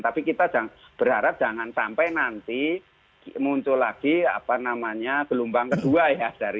tapi kita berharap jangan sampai nanti muncul lagi apa namanya gelombang kedua ya